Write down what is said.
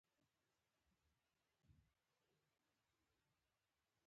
د حساب پرانیستل اوس په ډیجیټل ډول ممکن شوي دي.